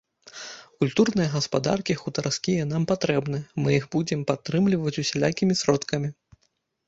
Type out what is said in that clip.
Культурныя гаспадаркі хутарскія нам патрэбны, мы іх будзем падтрымліваць усялякімі сродкамі!